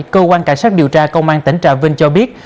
cơ quan cảnh sát điều tra công an tỉnh trà vinh cho biết